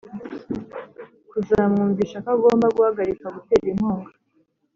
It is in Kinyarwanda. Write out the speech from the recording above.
kuzamwumvisha ko agomba guhagarika gutera inkunga